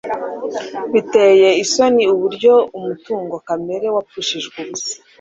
Biteye isoni uburyo umutungo kamere wapfushije ubusa.